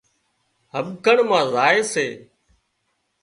هٻڪڻ مان زائي سي